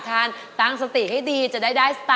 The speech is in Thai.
ทานตั้งสติให้ดี